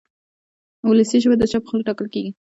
وولسي ژبه د چا په خوله ټاکل کېږي.